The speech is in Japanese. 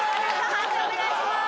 判定お願いします。